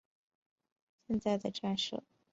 现在的站舍是内置的。